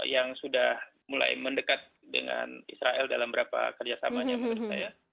yang sudah mulai mendekat dengan israel dalam berapa kerjasamanya menurut saya